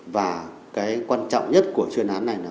và cái quan trọng nhất của chuyên án này là phải bắt được